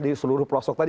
di seluruh pelosok tadi